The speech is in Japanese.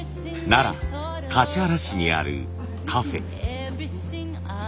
奈良橿原市にあるカフェ。